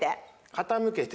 傾けて。